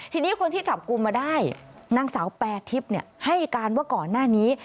ทีนี้คนที่จับกลุ่มมาได้นางสาวแปรทิพย์ให้การว่าก่อนหน้านี้